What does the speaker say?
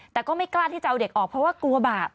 แต่ก็ไม่กล้าที่จะเอาเด็กออกเพราะว่ากลัวบาป